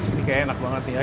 ini kayaknya enak banget ya